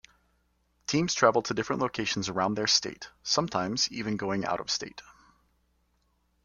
Teams travel to different locations around their state, sometimes even going out of state.